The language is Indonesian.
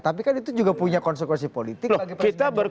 tapi kan itu juga punya konsekuensi politik